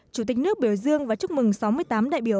chủ tịch nước biểu dương và chúc mừng sáu mươi tám đại biểu